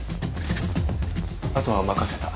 あとは任せた。